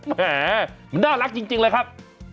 แหมมันน่ารักจริงเลยครับ